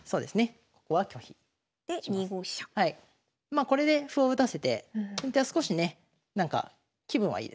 まあこれで歩を打たせて先手は少しねなんか気分はいいですね。